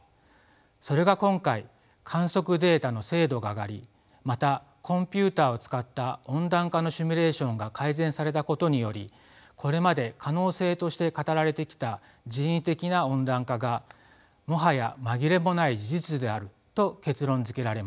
それが今回観測データの精度が上がりまたコンピューターを使った温暖化のシミュレーションが改善されたことによりこれまで可能性として語られてきた人為的な温暖化がもはや紛れもない事実であると結論づけられました。